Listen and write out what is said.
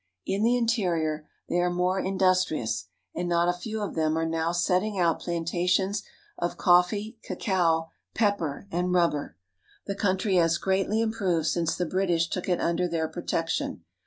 In the interior they are more industrious, and not a few of them are now setting out plantations of coffee, cacao, pepper, and rubber. The country has greatly improved since the British took it under their protection.